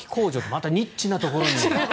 またニッチなところに。